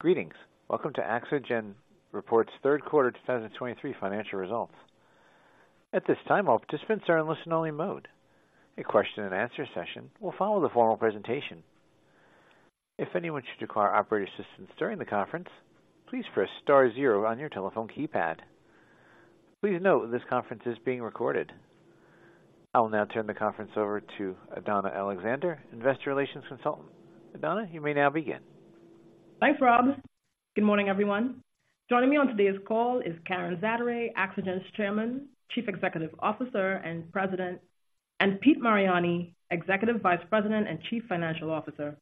Greetings. Welcome to Axogen's Third Quarter 2023 Financial Results. At this time, all participants are in listen-only mode. A question and answer session will follow the formal presentation. If anyone should require operator assistance during the conference, please press star zero on your telephone keypad. Please note, this conference is being recorded. I will now turn the conference over to Adanna Alexander, Investor Relations Consultant. Adanna, you may now begin. Thanks, Rob. Good morning, everyone. Joining me on today's call is Karen Zaderej, Axogen's Chairman, Chief Executive Officer, and President, and Pete Mariani, Executive Vice President and Chief Financial Officer.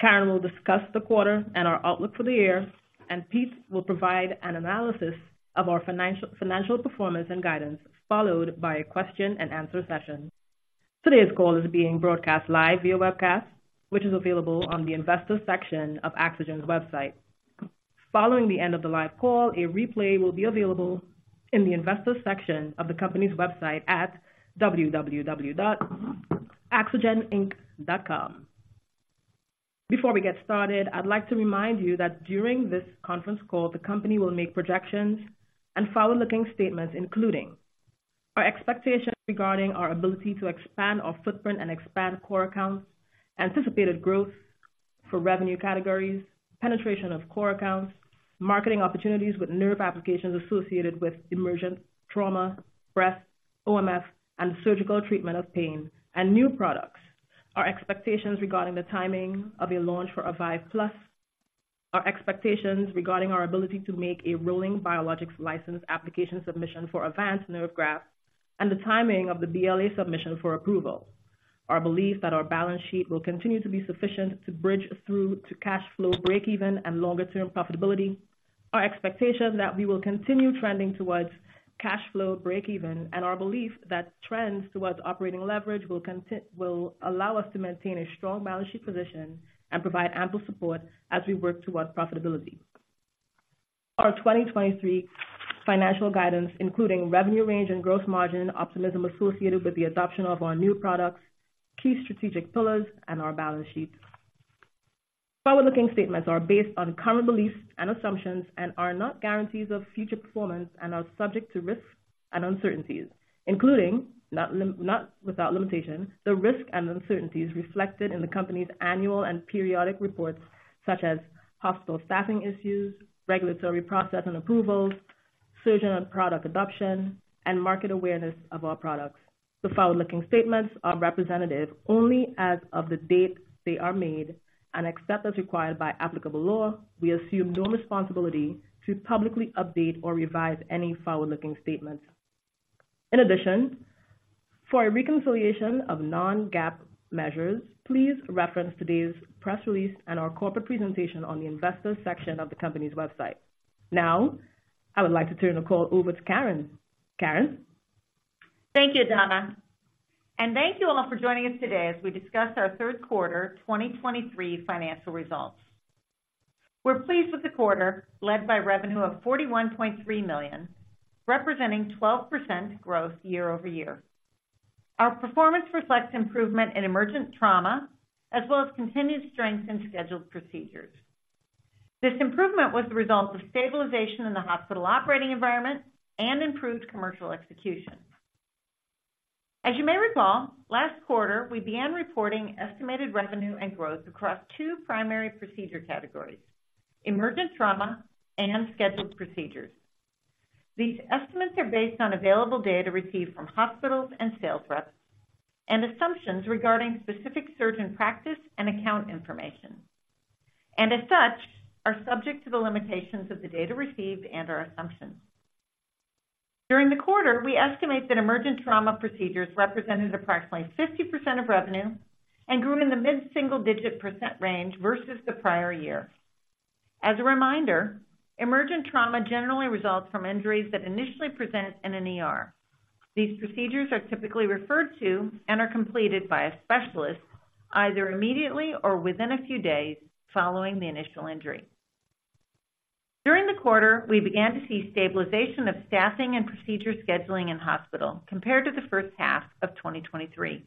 Karen will discuss the quarter and our outlook for the year, and Pete will provide an analysis of our financial performance and guidance, followed by a question and answer session. Today's call is being broadcast live via webcast, which is available on the Investors section of Axogen's website. Following the end of the live call, a replay will be available in the Investors section of the company's website at www.axogeninc.com. Before we get started, I'd like to remind you that during this conference call, the company will make projections and forward-looking statements, including our expectations regarding our ability to expand our footprint and expand core accounts, anticipated growth for revenue categories, penetration of core accounts, marketing opportunities with nerve applications associated with emergent trauma, breast, OMF, and surgical treatment of pain and new products. Our expectations regarding the timing of a launch for Avive+, our expectations regarding our ability to make a rolling biologics license application submission for Avance Nerve Graft, and the timing of the BLA submission for approval. Our belief that our balance sheet will continue to be sufficient to bridge through to cash flow break-even and longer-term profitability. Our expectation that we will continue trending towards cash flow break-even, and our belief that trends towards operating leverage will will allow us to maintain a strong balance sheet position and provide ample support as we work towards profitability. Our 2023 financial guidance, including revenue range and gross margin, optimism associated with the adoption of our new products, key strategic pillars, and our balance sheet. Forward-looking statements are based on current beliefs and assumptions and are not guarantees of future performance and are subject to risks and uncertainties, including, not without limitation, the risks and uncertainties reflected in the company's annual and periodic reports, such as hospital staffing issues, regulatory process and approvals, surgeon and product adoption, and market awareness of our products. The forward-looking statements are representative only as of the date they are made, and except as required by applicable law, we assume no responsibility to publicly update or revise any forward-looking statements. In addition, for a reconciliation of non-GAAP measures, please reference today's press release and our corporate presentation on the Investors section of the company's website. Now, I would like to turn the call over to Karen. Karen? Thank you, Adanna, and thank you all for joining us today as we discuss our third quarter 2023 financial results. We're pleased with the quarter, led by revenue of $41.3 million, representing 12% growth year-over-year. Our performance reflects improvement in emergent trauma, as well as continued strength in scheduled procedures. This improvement was the result of stabilization in the hospital operating environment and improved commercial execution. As you may recall, last quarter, we began reporting estimated revenue and growth across two primary procedure categories: emergent trauma and scheduled procedures. These estimates are based on available data received from hospitals and sales reps, and assumptions regarding specific surgeon practice and account information, and as such, are subject to the limitations of the data received and our assumptions. During the quarter, we estimate that emergent trauma procedures represented approximately 50% of revenue and grew in the mid-single-digit percent range versus the prior year. As a reminder, emergent trauma generally results from injuries that initially present in an ER. These procedures are typically referred to and are completed by a specialist, either immediately or within a few days following the initial injury. During the quarter, we began to see stabilization of staffing and procedure scheduling in hospital compared to the first half of 2023.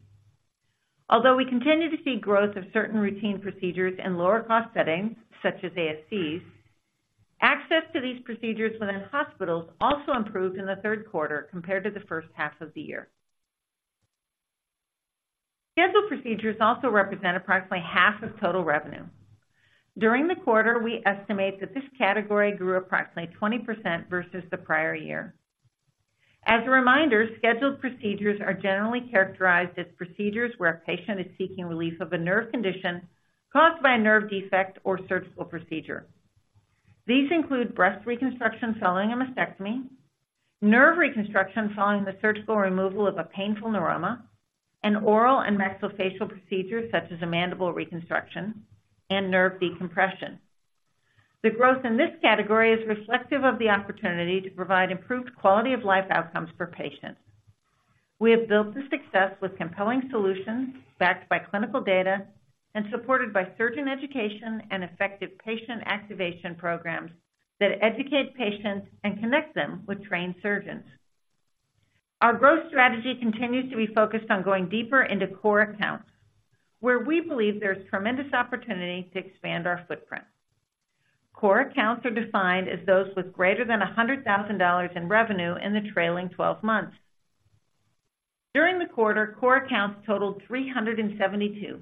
Although we continue to see growth of certain routine procedures in lower-cost settings, such as ASCs, access to these procedures within hospitals also improved in the third quarter compared to the first half of the year. Scheduled procedures also represent approximately half of total revenue. During the quarter, we estimate that this category grew approximately 20% versus the prior year. As a reminder, scheduled procedures are generally characterized as procedures where a patient is seeking relief of a nerve condition caused by a nerve defect or surgical procedure. These include breast reconstruction following a mastectomy, nerve reconstruction following the surgical removal of a painful neuroma, and oral and maxillofacial procedures, such as a mandible reconstruction and nerve decompression. The growth in this category is reflective of the opportunity to provide improved quality of life outcomes for patients. We have built this success with compelling solutions, backed by clinical data and supported by surgeon education and effective patient activation programs that educate patients and connect them with trained surgeons. Our growth strategy continues to be focused on going deeper into core accounts, where we believe there's tremendous opportunity to expand our footprint. Core accounts are defined as those with greater than $100,000 in revenue in the trailing 12 months. During the quarter, core accounts totaled 372,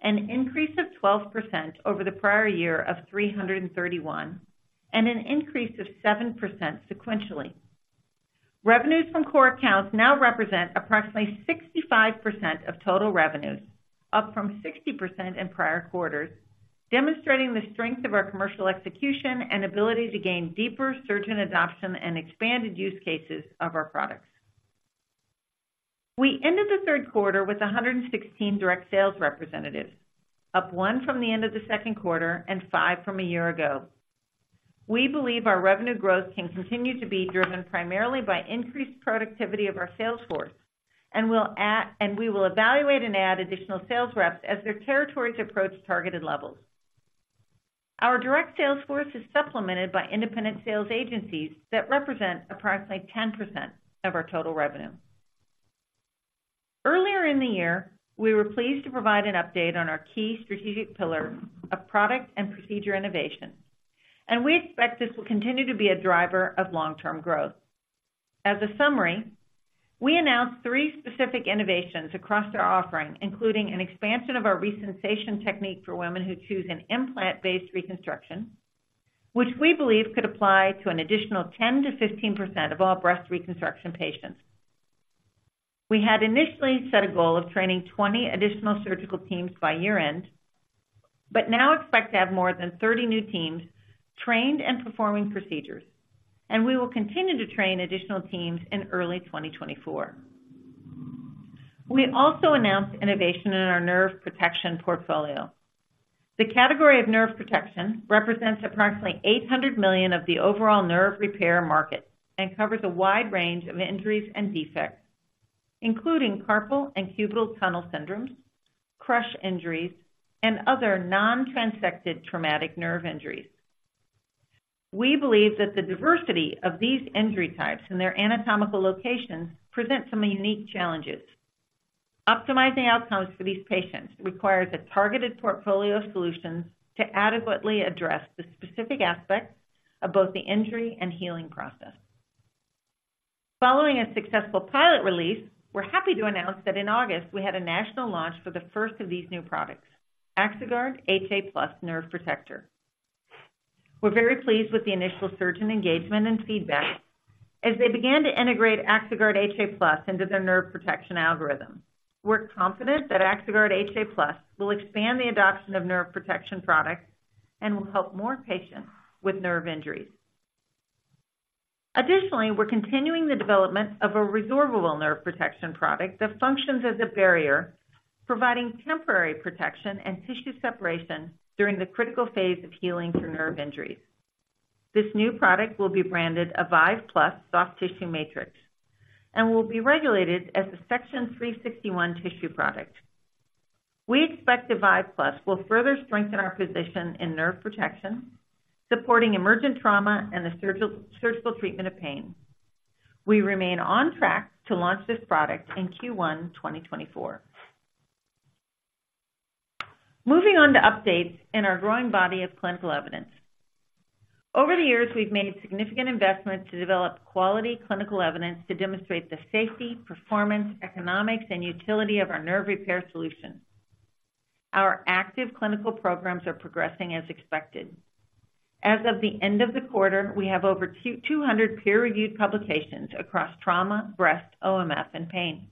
an increase of 12% over the prior year of 331, and an increase of 7% sequentially. Revenues from core accounts now represent approximately 65% of total revenues, up from 60% in prior quarters, demonstrating the strength of our commercial execution and ability to gain deeper surgeon adoption and expanded use cases of our products. We ended the third quarter with 116 direct sales representatives, up one from the end of the second quarter and five from a year ago. We believe our revenue growth can continue to be driven primarily by increased productivity of our sales force, and we will evaluate and add additional sales reps as their territories approach targeted levels. Our direct sales force is supplemented by independent sales agencies that represent approximately 10% of our total revenue. Earlier in the year, we were pleased to provide an update on our key strategic pillar of product and procedure innovation, and we expect this will continue to be a driver of long-term growth. As a summary, we announced three specific innovations across our offering, including an expansion of our ReSensation technique for women who choose an implant-based reconstruction, which we believe could apply to an additional 10%-15% of all breast reconstruction patients. We had initially set a goal of training 20 additional surgical teams by year-end, but now expect to have more than 30 new teams trained and performing procedures, and we will continue to train additional teams in early 2024. We also announced innovation in our nerve protection portfolio. The category of nerve protection represents approximately $800 million of the overall nerve repair market and covers a wide range of injuries and defects, including carpal and cubital tunnel syndromes, crush injuries, and other non-transected traumatic nerve injuries. We believe that the diversity of these injury types and their anatomical locations present some unique challenges. Optimizing outcomes for these patients requires a targeted portfolio of solutions to adequately address the specific aspects of both the injury and healing process. Following a successful pilot release, we're happy to announce that in August, we had a national launch for the first of these new products, Axoguard HA+ Nerve Protector. We're very pleased with the initial surgeon engagement and feedback as they began to integrate Axoguard HA+ into their nerve protection algorithm. We're confident that Axoguard HA+ will expand the adoption of nerve protection products and will help more patients with nerve injuries. Additionally, we're continuing the development of a resorbable nerve protection product that functions as a barrier, providing temporary protection and tissue separation during the critical phase of healing for nerve injuries. This new product will be branded Avive+ Soft Tissue Matrix and will be regulated as a Section 361 tissue product. We expect Avive+ will further strengthen our position in nerve protection, supporting emergent trauma and the surgical treatment of pain. We remain on track to launch this product in Q1 2024. Moving on to updates in our growing body of clinical evidence. Over the years, we've made significant investments to develop quality clinical evidence to demonstrate the safety, performance, economics, and utility of our nerve repair solutions. Our active clinical programs are progressing as expected. As of the end of the quarter, we have over 200 peer-reviewed publications across trauma, breast, OMF, and pain.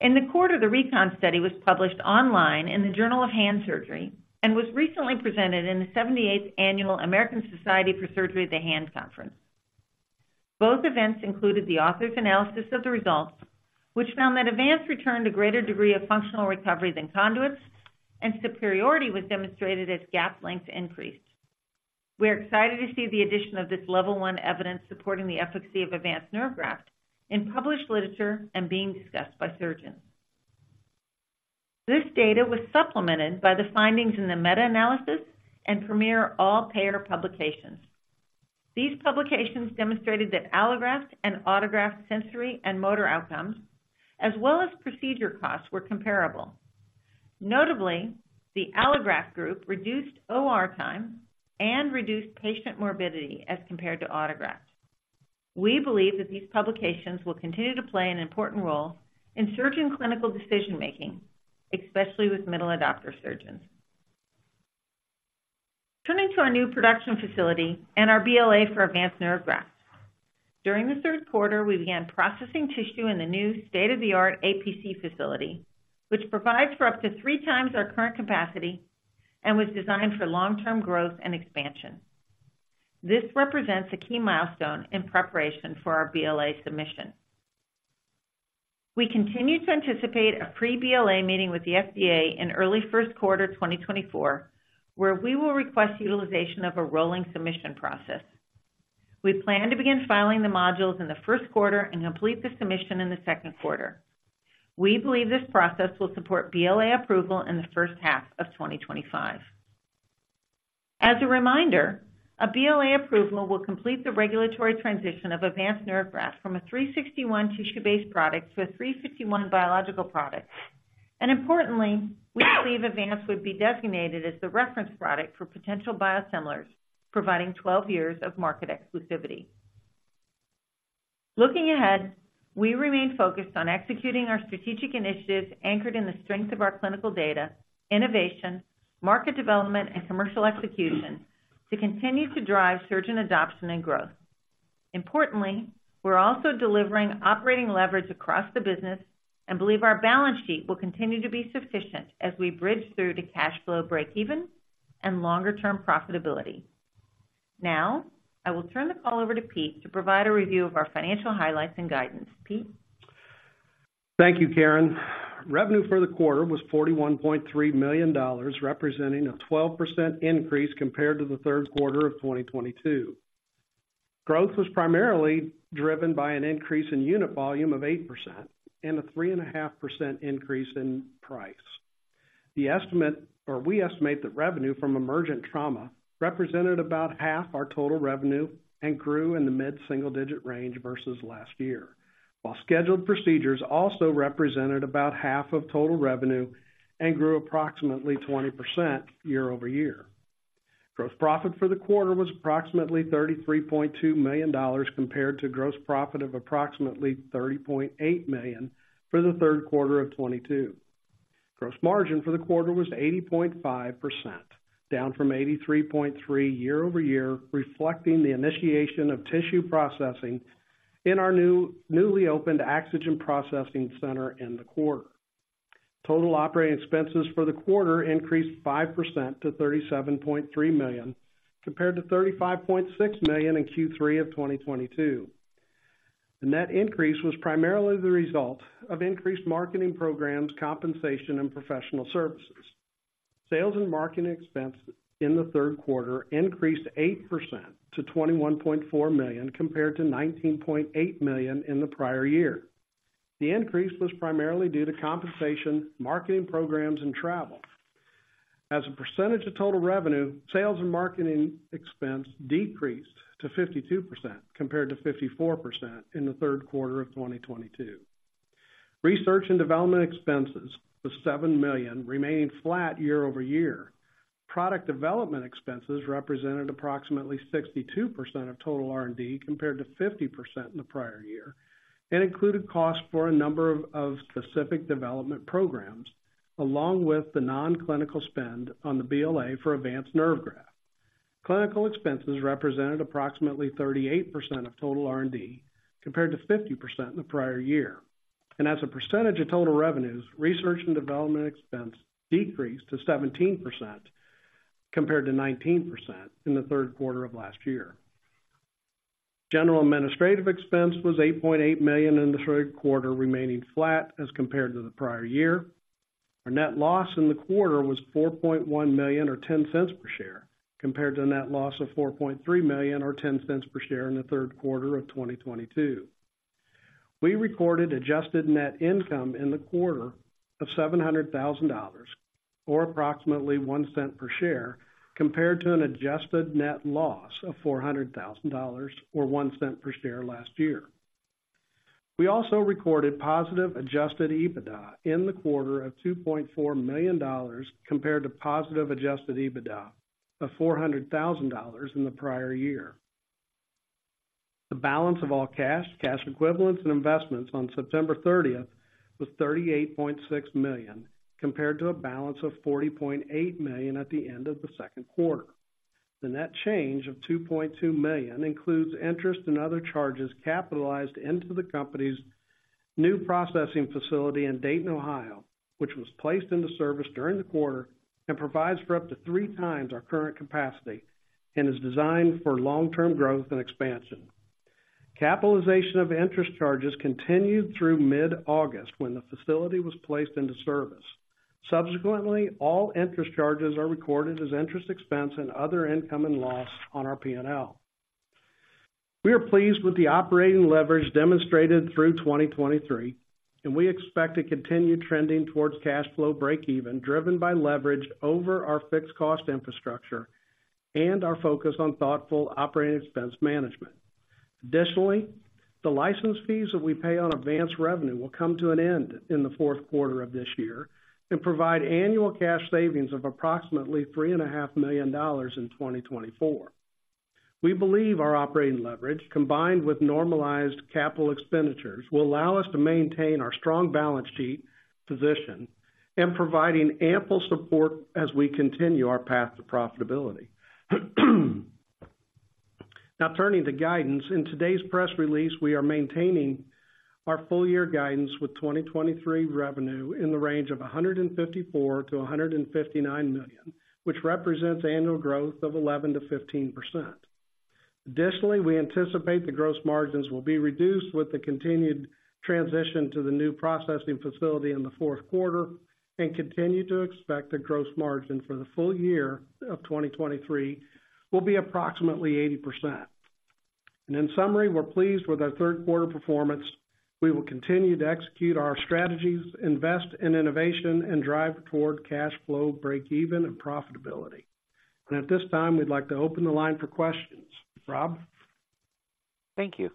In the quarter, the RECON Study was published online in the Journal of Hand Surgery and was recently presented in the 78th Annual American Society for Surgery of the Hand conference. Both events included the author's analysis of the results, which found that Avance returned a greater degree of functional recovery than conduits, and superiority was demonstrated as gap length increased. We are excited to see the addition of this level one evidence supporting the efficacy of Avance Nerve Graft in published literature and being discussed by surgeons. This data was supplemented by the findings in the meta-analysis and Premier all-payer publications. These publications demonstrated that allograft and autograft sensory and motor outcomes, as well as procedure costs, were comparable. Notably, the allograft group reduced OR time and reduced patient morbidity as compared to autograft. We believe that these publications will continue to play an important role in surgeon clinical decision-making, especially with middle adopter surgeons. Turning to our new production facility and our BLA for Avance Nerve Graft. During the third quarter, we began processing tissue in the new state-of-the-art APC facility, which provides for up to three times our current capacity and was designed for long-term growth and expansion. This represents a key milestone in preparation for our BLA submission. We continue to anticipate a pre-BLA meeting with the FDA in early first quarter, 2024, where we will request utilization of a rolling submission process. We plan to begin filing the modules in the first quarter and complete the submission in the second quarter. We believe this process will support BLA approval in the first half of 2025. As a reminder, a BLA approval will complete the regulatory transition of Avance Nerve Graft from a 361 tissue-based product to a 361 biological product. And importantly, we believe Avance would be designated as the reference product for potential biosimilars, providing 12 years of market exclusivity. Looking ahead, we remain focused on executing our strategic initiatives anchored in the strength of our clinical data, innovation, market development, and commercial execution, to continue to drive surgeon adoption and growth. Importantly, we're also delivering operating leverage across the business and believe our balance sheet will continue to be sufficient as we bridge through to cash flow breakeven and longer-term profitability. Now, I will turn the call over to Pete to provide a review of our financial highlights and guidance. Pete? Thank you, Karen. Revenue for the quarter was $41.3 million, representing a 12% increase compared to the third quarter of 2022. Growth was primarily driven by an increase in unit volume of 8% and a 3.5% increase in price. Or we estimate that revenue from emergent trauma represented about half our total revenue and grew in the mid-single digit range versus last year, while scheduled procedures also represented about half of total revenue and grew approximately 20% year-over-year. Gross profit for the quarter was approximately $33.2 million, compared to gross profit of approximately $30.8 million for the third quarter of 2022. Gross margin for the quarter was 80.5%, down from 83.3% year-over-year, reflecting the initiation of tissue processing in our new, newly opened Axogen processing center in the quarter. Total operating expenses for the quarter increased 5% to $37.3 million, compared to $35.6 million in Q3 of 2022. The net increase was primarily the result of increased marketing programs, compensation, and professional services. Sales and marketing expense in the third quarter increased 8% to $21.4 million, compared to $19.8 million in the prior year. The increase was primarily due to compensation, marketing programs, and travel. As a percentage of total revenue, sales and marketing expense decreased to 52%, compared to 54% in the third quarter of 2022. Research and development expenses of $7 million remained flat year-over-year. Product development expenses represented approximately 62% of total R&D, compared to 50% in the prior year, and included costs for a number of specific development programs, along with the non-clinical spend on the BLA for Avance Nerve Graft. Clinical expenses represented approximately 38% of total R&D, compared to 50% in the prior year. As a percentage of total revenues, research and development expense decreased to 17%, compared to 19% in the third quarter of last year. General administrative expense was $8.8 million in the third quarter, remaining flat as compared to the prior year. Our net loss in the quarter was $4.1 million, or $0.10 per share, compared to a net loss of $4.3 million, or $0.10 per share in the third quarter of 2022. We recorded adjusted net income in the quarter of $700,000, or approximately $0.01 per share, compared to an adjusted net loss of $400,000, or $0.01 per share last year. We also recorded positive adjusted EBITDA in the quarter of $2.4 million, compared to positive adjusted EBITDA of $400,000 in the prior year. The balance of all cash, cash equivalents, and investments on September 30 was $38.6 million, compared to a balance of $40.8 million at the end of the second quarter. The net change of $2.2 million includes interest and other charges capitalized into the company's new processing facility in Dayton, Ohio, which was placed into service during the quarter and provides for up to three times our current capacity and is designed for long-term growth and expansion. Capitalization of interest charges continued through mid-August, when the facility was placed into service. Subsequently, all interest charges are recorded as interest expense and other income and loss on our P&L. We are pleased with the operating leverage demonstrated through 2023, and we expect to continue trending towards cash flow breakeven, driven by leverage over our fixed cost infrastructure and our focus on thoughtful operating expense management. Additionally, the license fees that we pay on Avance revenue will come to an end in the fourth quarter of this year and provide annual cash savings of approximately $3.5 million in 2024. We believe our operating leverage, combined with normalized capital expenditures, will allow us to maintain our strong balance sheet position and providing ample support as we continue our path to profitability. Now, turning to guidance. In today's press release, we are maintaining our full year guidance with 2023 revenue in the range of $154 million-$159 million, which represents annual growth of 11%-15%. Additionally, we anticipate the gross margins will be reduced with the continued transition to the new processing facility in the fourth quarter and continue to expect the gross margin for the full year of 2023 will be approximately 80%. In summary, we're pleased with our third quarter performance. We will continue to execute our strategies, invest in innovation, and drive toward cash flow, breakeven, and profitability. At this time, we'd like to open the line for questions. Rob? Thank you.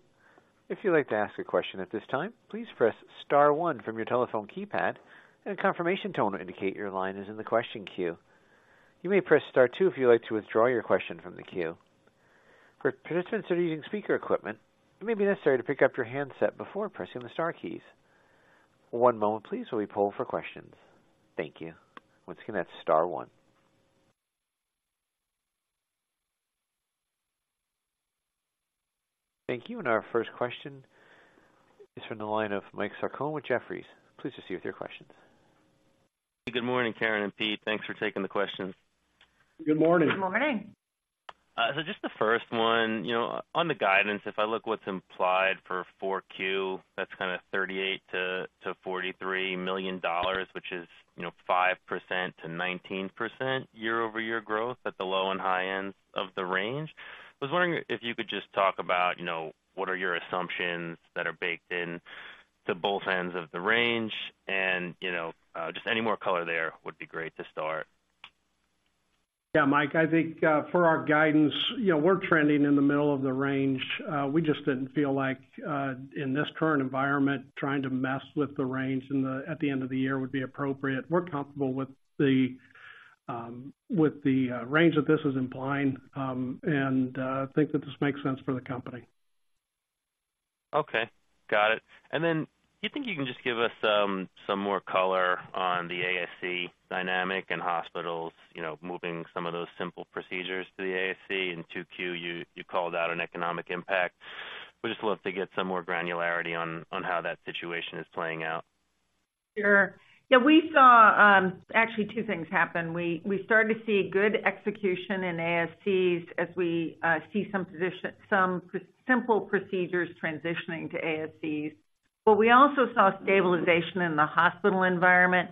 If you'd like to ask a question at this time, please press star one from your telephone keypad, and a confirmation tone will indicate your line is in the question queue. You may press star two if you'd like to withdraw your question from the queue. For participants that are using speaker equipment, it may be necessary to pick up your handset before pressing the star keys. One moment please, while we poll for questions. Thank you. Once again, that's star one. Thank you. And our first question is from the line of Mike Sarcone with Jefferies. Please proceed with your questions. Good morning, Karen and Pete. Thanks for taking the questions. Good morning. Good morning. So just the first one, you know, on the guidance, if I look what's implied for Q4, that's kind of $38 million-$43 million, which is, you know, 5%-19% year-over-year growth at the low and high ends of the range. I was wondering if you could just talk about, you know, what are your assumptions that are baked in to both ends of the range and, you know, just any more color there would be great to start. Yeah, Mike, I think for our guidance, you know, we're trending in the middle of the range. We just didn't feel like in this current environment, trying to mess with the range at the end of the year would be appropriate. We're comfortable with the range that this is implying, and think that this makes sense for the company. Okay, got it. And then do you think you can just give us some more color on the ASC dynamic and hospitals, you know, moving some of those simple procedures to the ASC? In 2Q, you called out an economic impact. We'd just love to get some more granularity on how that situation is playing out. Sure. Yeah, we saw actually two things happen. We started to see good execution in ASCs as we see some simple procedures transitioning to ASCs. But we also saw stabilization in the hospital environment,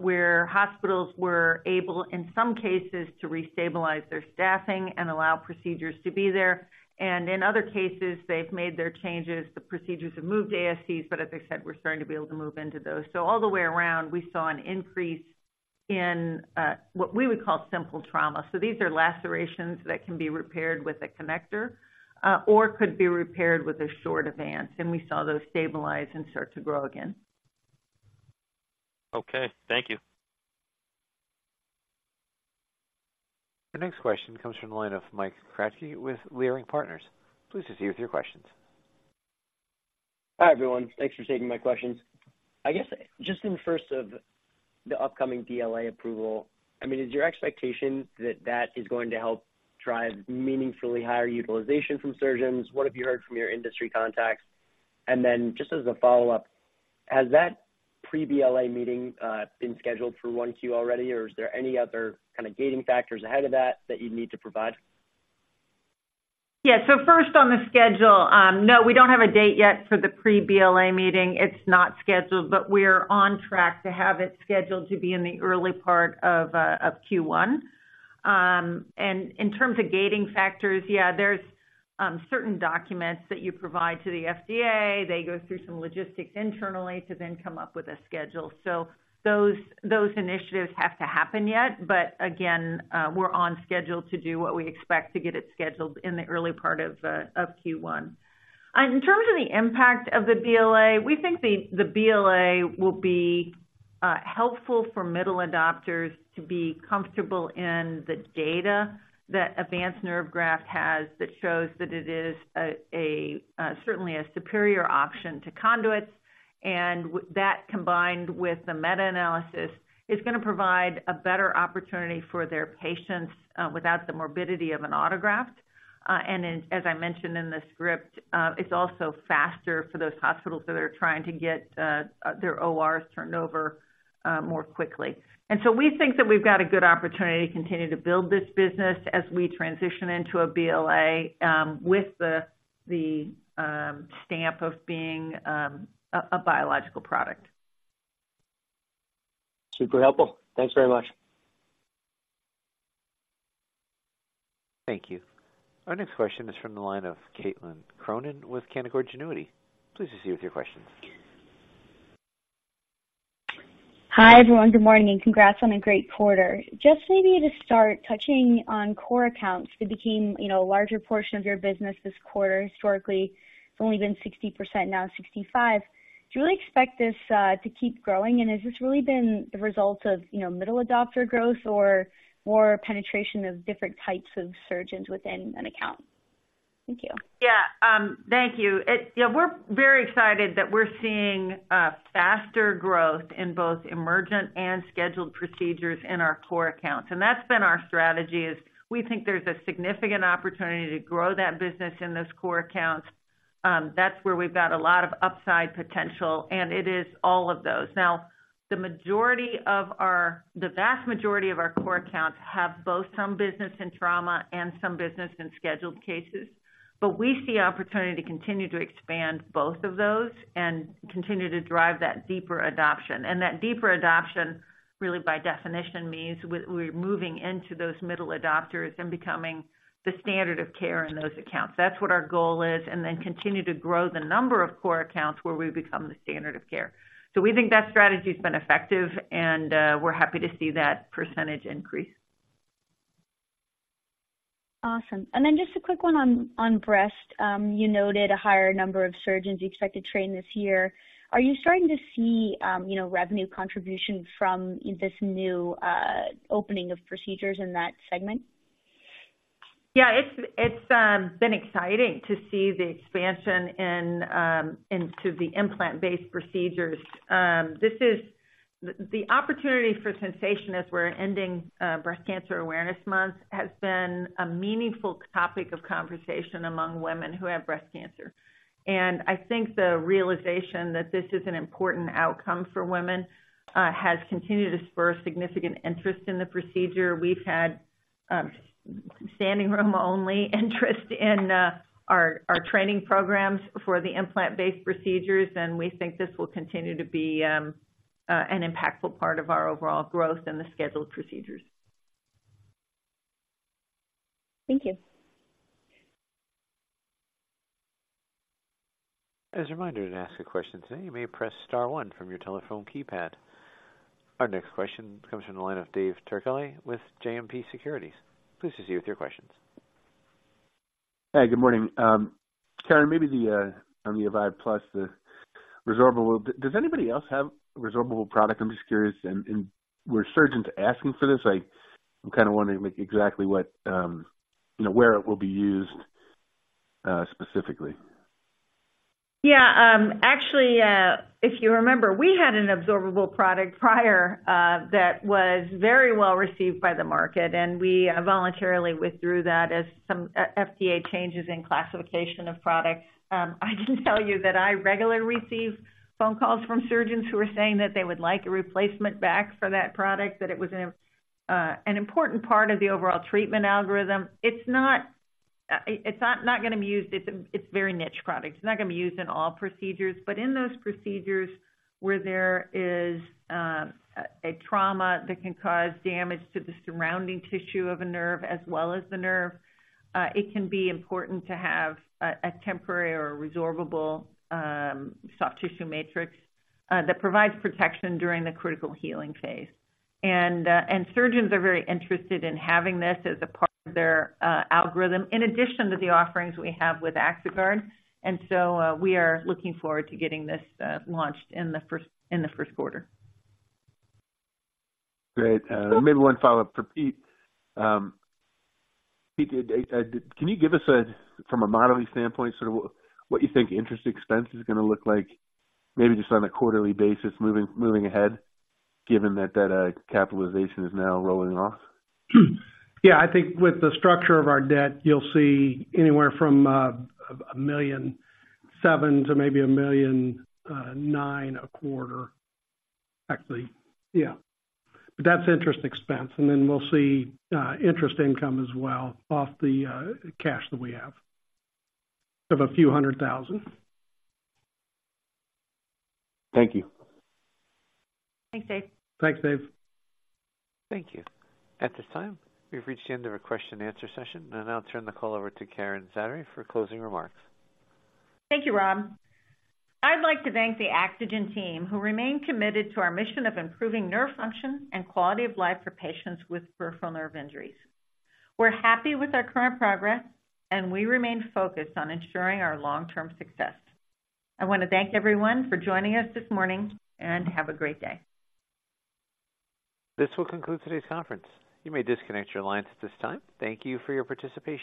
where hospitals were able, in some cases, to restabilize their staffing and allow procedures to be there. And in other cases, they've made their changes. The procedures have moved to ASCs, but as I said, we're starting to be able to move into those. So all the way around, we saw an increase in what we would call simple trauma. So these are lacerations that can be repaired with a connector or could be repaired with a short Avance, and we saw those stabilize and start to grow again. Okay, thank you. The next question comes from the line of Mike Kratky with Leerink Partners. Please proceed with your questions. Hi, everyone. Thanks for taking my questions. I guess, just in terms of the upcoming BLA approval, I mean, is your expectation that that is going to help drive meaningfully higher utilization from surgeons? What have you heard from your industry contacts? And then, just as a follow-up, has that pre-BLA meeting been scheduled for Q1 already, or is there any other kind of gating factors ahead of that, that you'd need to provide? Yeah. So first on the schedule, no, we don't have a date yet for the pre-BLA meeting. It's not scheduled, but we're on track to have it scheduled to be in the early part of Q1. And in terms of gating factors, yeah, there's certain documents that you provide to the FDA. They go through some logistics internally to then come up with a schedule. So those initiatives have to happen yet, but again, we're on schedule to do what we expect to get it scheduled in the early part of Q1. In terms of the impact of the BLA, we think the BLA will be helpful for middle adopters to be comfortable in the data that Avance Nerve Graft has, that shows that it is certainly a superior option to conduits. And with that, combined with the meta-analysis, is going to provide a better opportunity for their patients without the morbidity of an autograft. And then, as I mentioned in the script, it's also faster for those hospitals that are trying to get their ORs turned over more quickly. And so we think that we've got a good opportunity to continue to build this business as we transition into a BLA with the stamp of being a biological product. Super helpful. Thanks very much. Thank you. Our next question is from the line of Caitlin Cronin with Canaccord Genuity. Please proceed with your questions. Hi, everyone. Good morning, and congrats on a great quarter. Just maybe to start touching on core accounts, it became, you know, a larger portion of your business this quarter. Historically, it's only been 60%, now 65%. Do you really expect this to keep growing? And has this really been the result of, you know, middle adopter growth or more penetration of different types of surgeons within an account? Thank you. Yeah. Thank you. Yeah, we're very excited that we're seeing faster growth in both emergent and scheduled procedures in our core accounts. And that's been our strategy, is we think there's a significant opportunity to grow that business in those core accounts. That's where we've got a lot of upside potential, and it is all of those. Now, the majority of our—the vast majority of our core accounts have both some business and trauma and some business in scheduled cases. But we see opportunity to continue to expand both of those and continue to drive that deeper adoption. And that deeper adoption, really, by definition, means we, we're moving into those middle adopters and becoming the standard of care in those accounts. That's what our goal is, and then continue to grow the number of core accounts where we become the standard of care. We think that strategy's been effective, and we're happy to see that percentage increase. Awesome. And then just a quick one on breast. You noted a higher number of surgeons you expect to train this year. Are you starting to see, you know, revenue contribution from this new opening of procedures in that segment? Yeah, it's been exciting to see the expansion into the implant-based procedures. This is the opportunity for sensation as we're ending Breast Cancer Awareness Month has been a meaningful topic of conversation among women who have breast cancer. And I think the realization that this is an important outcome for women has continued to spur significant interest in the procedure. We've had standing room only interest in our training programs for the implant-based procedures, and we think this will continue to be an impactful part of our overall growth in the scheduled procedures. Thank you. As a reminder, to ask a question today, you may press star one from your telephone keypad. Our next question comes from the line of Dave Turkaly with JMP Securities. Please proceed with your questions. Hi, good morning. Karen, maybe on the Avive+, the resorbable, does anybody else have a resorbable product? I'm just curious. And were surgeons asking for this? I'm kind of wondering like exactly what, you know, where it will be used, specifically. Yeah, actually, if you remember, we had a resorbable product prior, that was very well received by the market, and we voluntarily withdrew that as some FDA changes in classification of products. I can tell you that I regularly receive phone calls from surgeons who are saying that they would like a replacement back for that product, that it was an important part of the overall treatment algorithm. It's not, it's not gonna be used-- It's a very niche product. It's not gonna be used in all procedures, but in those procedures where there is a trauma that can cause damage to the surrounding tissue of a nerve as well as the nerve, it can be important to have a temporary or a resorbable soft tissue matrix that provides protection during the critical healing phase. And surgeons are very interested in having this as a part of their algorithm, in addition to the offerings we have with Axoguard. And so, we are looking forward to getting this launched in the first quarter. Great. Maybe one follow-up for Pete. Pete, can you give us a, from a modeling standpoint, sort of what, what you think interest expense is gonna look like? Maybe just on a quarterly basis, moving ahead, given that that, capitalization is now rolling off? Yeah. I think with the structure of our debt, you'll see anywhere from $1.7 million to maybe $1.9 million a quarter, actually. Yeah. But that's interest expense, and then we'll see interest income as well off the cash that we have, of $300,000. Thank you. Thanks, Dave. Thanks, Dave. Thank you. At this time, we've reached the end of our question-and-answer session. I'll now turn the call over to Karen Zaderej for closing remarks. Thank you, Rob. I'd like to thank the Axogen team, who remain committed to our mission of improving nerve function and quality of life for patients with peripheral nerve injuries. We're happy with our current progress, and we remain focused on ensuring our long-term success. I want to thank everyone for joining us this morning, and have a great day. This will conclude today's conference. You may disconnect your lines at this time. Thank you for your participation.